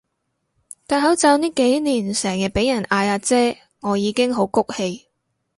戴口罩呢幾年成日畀人嗌阿姐我已經好谷氣